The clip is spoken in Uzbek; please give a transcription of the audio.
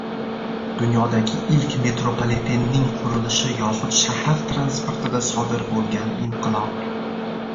Dunyodagi ilk metropolitenning qurilishi yoxud shahar transportida sodir bo‘lgan inqilob